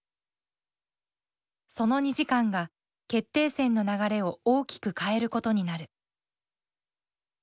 その２時間が決定戦の流れを大きく変えることになる。